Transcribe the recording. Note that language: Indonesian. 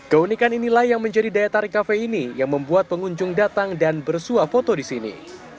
keunikan inilah yang menjadi daya tarik kafe ini yang membuat pengunjung datang dan bersuah foto di sini